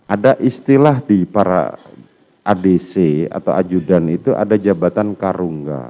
ada istilah di para adc atau ajudan itu ada jabatan karungga